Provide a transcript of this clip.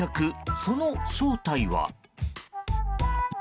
その正体は。